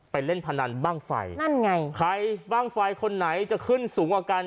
เล่นพนันบ้างไฟนั่นไงใครบ้างไฟคนไหนจะขึ้นสูงกว่ากัน